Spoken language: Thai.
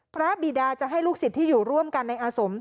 พระบีดาจะให้ลูกศิษย์ที่อยู่ร่วมกันในอาสม